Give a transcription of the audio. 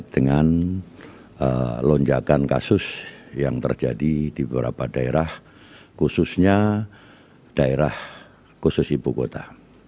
dengan lonjakan kasus yang terjadi di beberapa daerah khususnya daerah khusus ibu kota